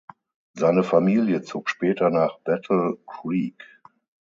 Seine Familie zog später nach Battle Creek.